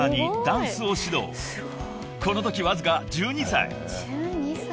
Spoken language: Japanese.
［このときわずか１２歳］